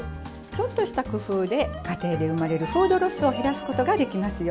ちょっとした工夫で家庭で生まれるフードロスを減らすことができますよ。